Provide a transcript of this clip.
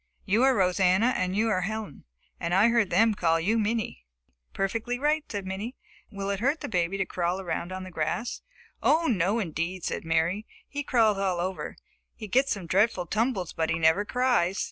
You are Rosanna and you are Helen, and I heard them call you Minnie." "Perfectly right," said Minnie. "Will it hurt the baby to crawl around on the grass?" "Oh, no, indeed," said Mary. "He crawls all over. He gets some dreadful tumbles but he never cries.